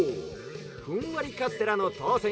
ふんわりカステラのとうせん